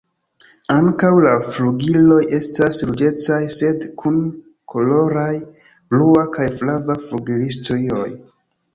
Ankaŭ la flugiloj estas ruĝecaj sed kun koloraj blua kaj flava flugilstrioj.